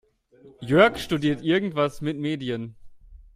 Jörg studiert irgendwas mit Medien.